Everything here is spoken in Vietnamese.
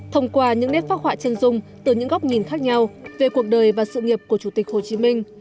thông qua những nét phác họa chân dung từ những góc nhìn khác nhau về cuộc đời và sự nghiệp của chủ tịch hồ chí minh